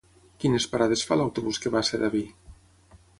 Quines parades fa l'autobús que va a Sedaví?